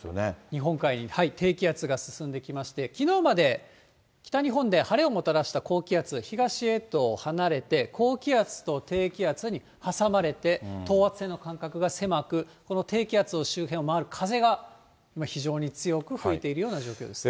日本海に低気圧が進んできまして、きのうまで北日本で晴れをもたらした高気圧が東へと離れて、高気圧と低気圧に挟まれて、等圧線の間隔が狭く、この低気圧の周辺を回る風が非常に強く吹いているような状況です。